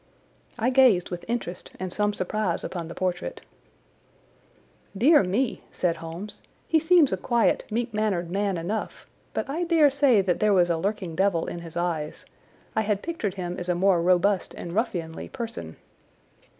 I gazed with interest and some surprise upon the portrait. "Dear me!" said Holmes, "he seems a quiet, meek mannered man enough, but I dare say that there was a lurking devil in his eyes. I had pictured him as a more robust and ruffianly person."